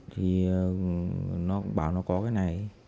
thì nó bảo nó có cái này